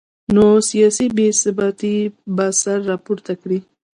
نو سیاسي بې ثباتي به سر راپورته کړي